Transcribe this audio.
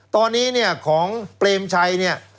ตอนนี้เนี่ยของเปรมชัยเนี่ย